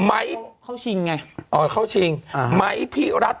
ไหมเค้าชิงไงอ่อเค้าชิงไหมพี่รัฐ